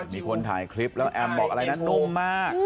มีคนถ่ายคลิปแล้วแอมบอกอะไรนะนุ่มมาก